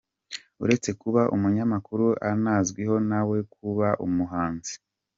Uretse kuba umunyamakuru anazwiho nawe kuba umuhanzi.